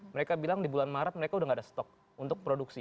mereka bilang di bulan maret mereka udah gak ada stok untuk produksi